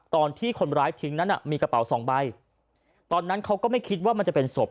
ตอนที่คนร้ายทิ้งนั้นอ่ะมีกระเป๋าสองใบตอนนั้นเขาก็ไม่คิดว่ามันจะเป็นศพ